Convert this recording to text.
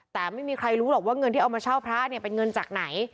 แต่ไม่มีใครรู้หรอกว่าเงินที่เอามาเช่าพระเนี่ยเป็นเงินจากไหน